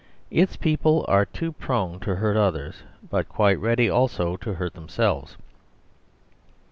Its people are too prone to hurt others, but quite ready also to hurt themselves.